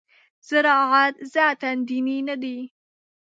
زراعت ذاتاً دیني نه دی.